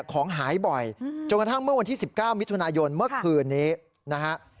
ของหายบ่อยจนกระทั่งเมื่อวันที่๑๙มิถุนายนเมื่อคืนนี้นะฮะ